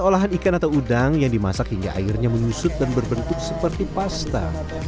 olahan ikan atau udang yang dimasak hingga airnya menyusut dan berbentuk seperti pasta